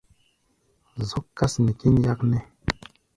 Zɔ́k kâs nɛ kín yáknɛ́.